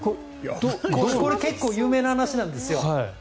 これは結構有名な話なんですよ。